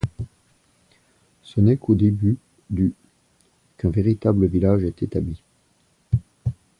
Ce n'est qu'au début du qu'un véritable village est établi.